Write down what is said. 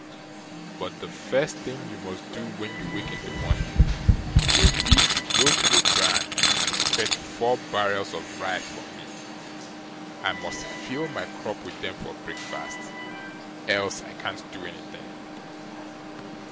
"but the first thing you must do when you wake in the morning, will be to go to the barn and fetch four barrels of rye for me. I must fill my crop with them for breakfast, else I can't do anything".